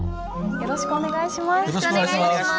よろしくお願いします。